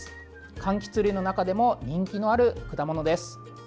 かんきつ類の中でも人気のある果物です。